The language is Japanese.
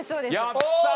やったー！